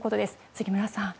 杉村さん